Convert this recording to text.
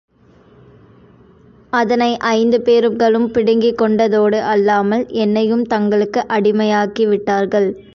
அதனை ஐந்து பேர்களும் பிடுங்கிக் கொண்டதோடு அல்லாமல், என்னையும் தங்களுக்கு அடிமையாக்கிவிட்டார்கள்.